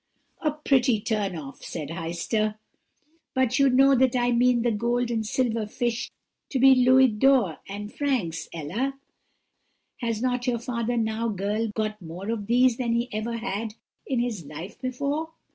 "'A pretty turn off!' said Heister; 'but you know that I mean the gold and silver fish to be louis d'ors and francs, Ella. Has not your father now, girl, got more of these than he ever had in his life before?'